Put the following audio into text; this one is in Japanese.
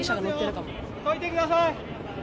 どいてください！